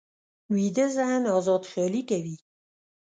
ویده ذهن ازاد خیالي کوي